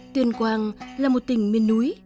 tuyên quang là một tỉnh miên núi